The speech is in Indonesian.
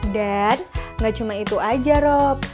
dan nggak cuma itu aja rob